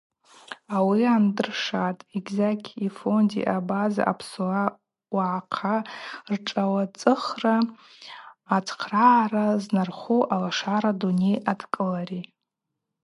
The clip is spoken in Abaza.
Ауи гӏандыршатӏ Эгьзакь й-Фонди абаза-апсуа уагӏахъа ртшауацӏыхра ацхърагӏара знархару Алашара Дуней адкӏылари.